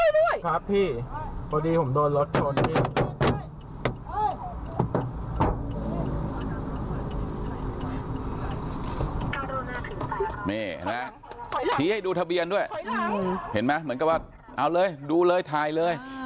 นี่เห็นไหมชี้ให้ดูทะเบียนด้วยเห็นไหมเหมือนกับว่าเอาเลยดูเลยถ่ายเลย